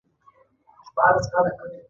نو د مصر واکمنانو سره ویره پیدا شوه.